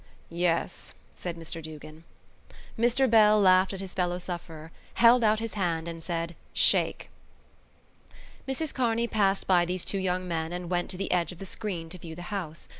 "Yes," said Mr Duggan. Mr Bell laughed at his fellow sufferer, held out his hand and said: "Shake!" Mrs Kearney passed by these two young men and went to the edge of the screen to view the house.